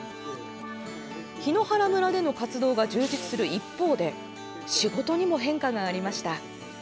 檜原村での活動が充実する一方で仕事にも変化がありました。